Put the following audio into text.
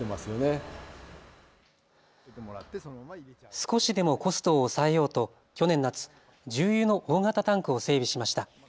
少しでもコストを抑えようと去年夏、重油の大型タンクを整備しました。